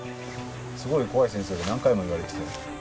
すごい怖い先生で何回も言われてて。